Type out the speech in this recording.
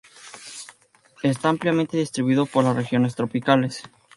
Está ampliamente distribuido por las regiones tropicales.